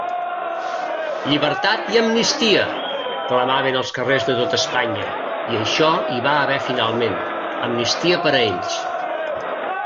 «Llibertat i amnistia» clamaven als carrers de tota Espanya, i això hi va haver finalment: amnistia per a ells.